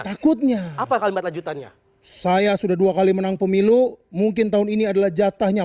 takutnya apa kalimat lanjutannya saya sudah dua kali menang pemilu mungkin tahun ini adalah jatahnya